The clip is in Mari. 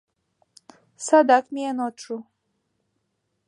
— Садак миен от шу.